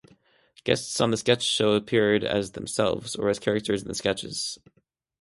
Guests on the sketch show appear as themselves or as characters in sketches.